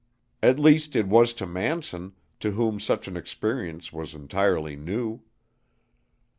At least, it was to Manson, to whom such an experience was entirely new.